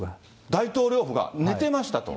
大統領府が寝てましたと。